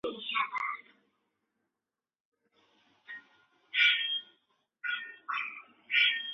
李德水是印尼荷属时期的闽南裔华人电影导演。